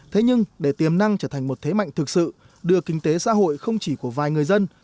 thế nhưng để tiềm năng trở thành một thế mạnh thực sự đưa kinh tế xã hội không chỉ của vài người dân